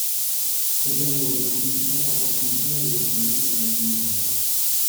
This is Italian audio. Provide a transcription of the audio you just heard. Ed allora cominciava a raccontare la sua vita al reclusorio.